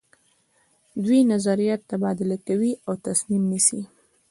دوی نظریات تبادله کوي او تصمیم نیسي.